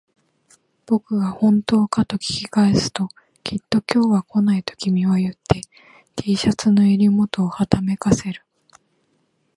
僕が本当かと聞き返すと、きっと今日は来ないと君は言って、Ｔ シャツの襟元をはためかせる